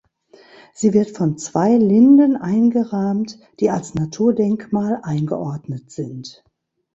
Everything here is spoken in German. Sie wird von zwei Linden eingerahmt, die als Naturdenkmal eingeordnet sind.